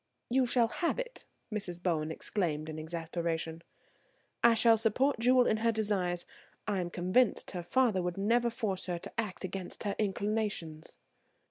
"You shall have it," Mrs. Bowen exclaimed in exasperation. "I shall support Jewel in her desires. I am convinced her father would never force her to act against her inclinations."